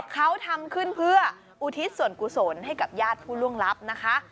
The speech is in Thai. เขาทำขึ้นเพื่ออุทิศส่วนกุศลให้กับญาติผู้ล่วงลับนะคะ